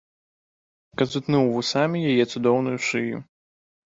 Казытнуў вусамі яе цудоўную шыю.